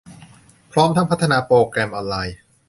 พร้อมทั้งพัฒนาโปรแกรมออนไลน์